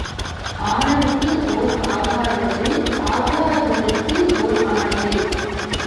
ஆனதுக்கு ஓர் ஆகாதது ஆகாததற்கு ஓர் ஆனது.